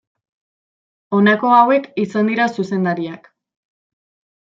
Honako hauek izan dira zuzendariak.